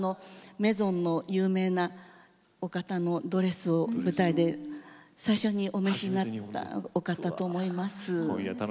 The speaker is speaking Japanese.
メゾンの有名なお方のドレスを舞台で最初にお召しになったお方と思います。